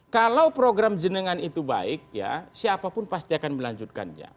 kalau program jenengan itu baik ya siapapun pasti akan melanjutkannya